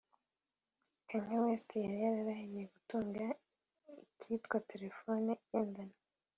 Kanye West yari yararahiye gutunga ikitwa telefoni igendanwa (Mobile)